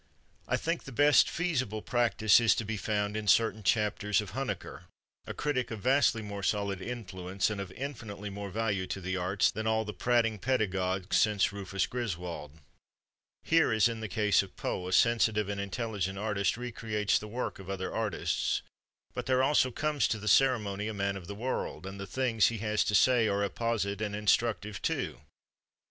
I think the best feasible practice is to be found in certain chapters of Huneker, a critic of vastly more solid influence and of infinitely more value to the arts than all the prating pedagogues since Rufus Griswold. Here, as in the case of Poe, a sensitive and intelligent artist recreates the work of other artists, but there also comes to the ceremony a man of the world, and the things he has to say are apposite and instructive too.